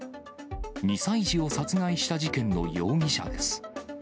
２歳児を殺害した事件の容疑者です。